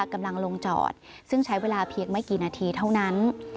กำลังลงจอดซึ่งใช้เวลาเพียงไม่กี่นาทีเท่านั้น